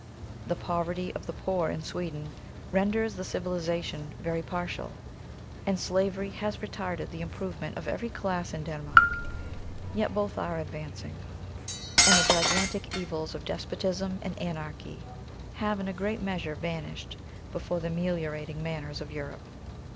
The poverty of the poor in Sweden renders the civilisation very partial, and slavery has retarded the improvement of every class in Denmark, yet both are advancing; and the gigantic evils of despotism and anarchy have in a great measure vanished before the meliorating manners of Europe.